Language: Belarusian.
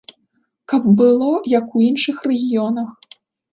Каб было, як у іншых рэгіёнах.